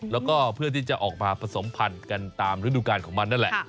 แล้วก็เพื่อที่จะออกมาผสมพันธุ์กันตามฤดูการของมันนั่นแหละ